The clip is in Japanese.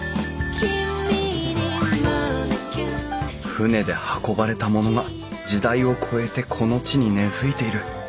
船で運ばれたものが時代を超えてこの地に根づいている。